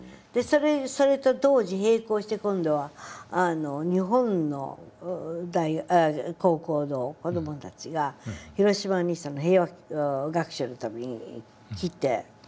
それと同時並行して今度は日本の高校の子どもたちが広島に平和学習のために来て。